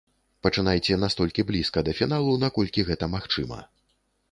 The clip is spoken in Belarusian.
Пачынайце настолькі блізка да фіналу, наколькі гэта магчыма.